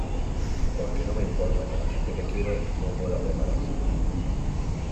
porque no me importa que la gente que quiero no pueda prepararse